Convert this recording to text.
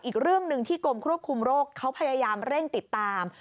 อีกเรื่องหนึ่งที่กรมควบคุมโรคเขาพยายามเร่งติดตาม